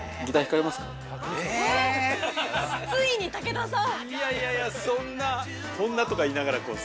ついに武田さん！